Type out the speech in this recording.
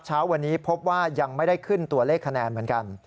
เช้าวันนี้พบว่ายังไม่ได้ขึ้นตัวเลขคะแนนเหมือนกัน